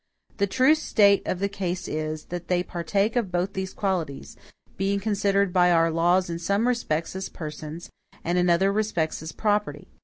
The true state of the case is, that they partake of both these qualities: being considered by our laws, in some respects, as persons, and in other respects as property.